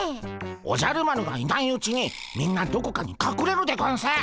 おじゃる丸がいないうちにみんなどこかにかくれるでゴンス。